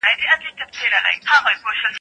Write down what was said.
سمدستي یې د مرګي مخي ته سپر کړي